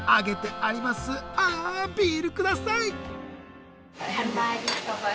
あビール下さい！